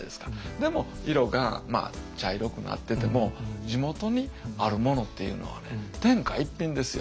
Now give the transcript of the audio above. でも色が茶色くなってても地元にあるものっていうのはね天下一品ですよ。